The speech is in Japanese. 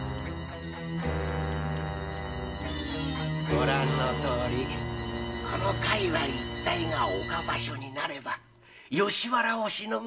ご覧のとおりこの界隈一帯が岡場所になれば吉原をしのぐ